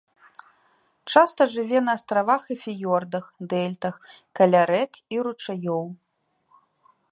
Часта жыве на астравах і фіёрдах, дэльтах, каля рэк і ручаёў.